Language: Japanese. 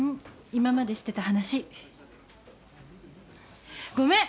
今までしてた話。ごめん。